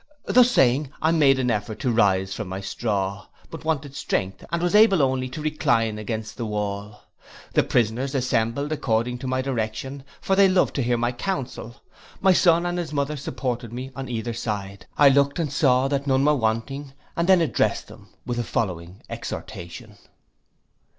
Thus saying, I made an effort to rise from my straw, but wanted strength, and was able only to recline against the wall. The prisoners assembled according to my direction, for they loved to hear my council, my son and his mother supported me on either side, I looked and saw that none were wanting, and then addressed them with the following exhortation.